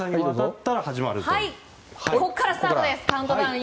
ここからスタートです。